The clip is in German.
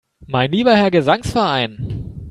Mein lieber Herr Gesangsverein!